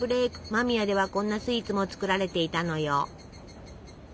間宮ではこんなスイーツも作られていたのよ。